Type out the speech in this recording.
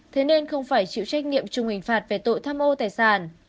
thế nên không phải chịu trách nhiệm trung hình phạt về tội thăm ô tài sản